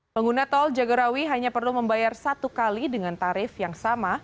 pengguna tol jagorawi hanya perlu membayar satu kali dengan tarif yang sama